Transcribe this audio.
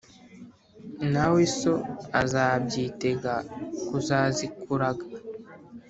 na we so arabyitega kuzazikuraga.